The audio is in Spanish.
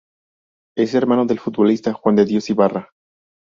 Es hermano del futbolista Juan de Dios Ibarra.